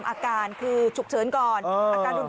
ไม่รู้อะไรกับใคร